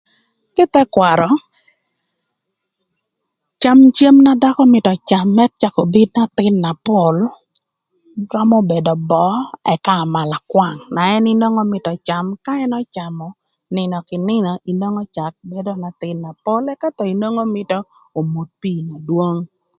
Kï ï thë kwarö, camö cem na dhakö mïtö öcam ëk cak obin n'athïn na pol, römö bedo böö ëka amalakwang, na ën onwongo mïtö öcam ka ën öcamö nïnö kï nïnö inwongo cak bedo n'athïn na pol ëka thon mïtö omodh pii na dwong.